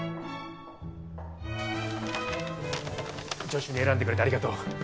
助手に選んでくれてありがとう。